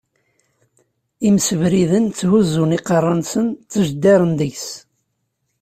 Imsebriden tthuzzun iqerra-nsen, ttjeddiren deg-s.